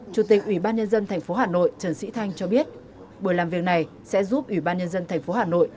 chủ tịch ủy ban nhân dân tp hà nội trần sĩ thanh cho biết buổi làm việc này sẽ giúp ủy ban nhân dân tp hà nội